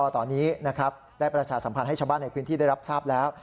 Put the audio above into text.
ตอนนี้ได้ประชาสัมพันธ์ให้ชาวบ้านในพื้นที่ได้รับทราบแล้ว